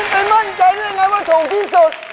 เฮ้ยไม่มั่นใจด้วยไงว่าถูกที่สุด